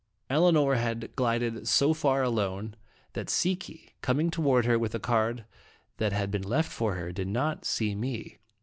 Elinor had glided so far alone that .Si ki, coming toward her with a card that had been left for her, did not see me.